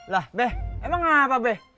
lah beh emang apa be